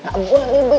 gak boleh boy